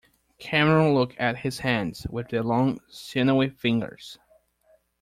Cameron looked at his hands with their long, sinewy fingers.